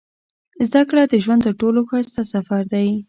• زده کړه د ژوند تر ټولو ښایسته سفر دی.